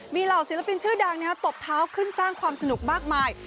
มีเหล่าศิลปินชื่อดังตบเท้าขึ้นสร้างความสนุกมากมาย